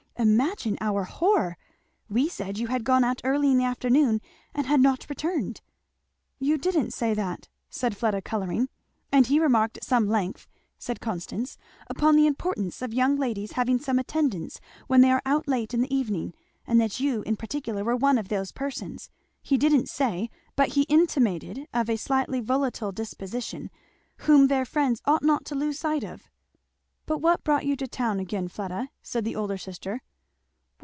Imagine our horror! we said you had gone out early in the afternoon and had not returned." "You didn't say that!" said Fleda colouring. "And he remarked at some length," said Constance, "upon the importance of young ladies having some attendance when they are out late in the evening, and that you in particular were one of those persons he didn't say, but he intimated, of a slightly volatile disposition, whom their friends ought not to lose sight of." "But what brought you to town again, Fleda?" said the elder sister.